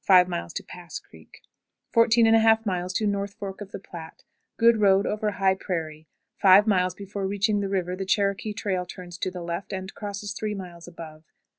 Pass Creek. 14 1/2. North Fork of the Platte. Good road over high prairie. Five miles before reaching the river the Cherokee trail turns to the left, and crosses three miles above.